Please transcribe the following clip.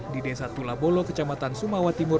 di desa tulabolo kecamatan sumawa timur